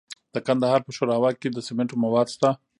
د کندهار په شورابک کې د سمنټو مواد شته.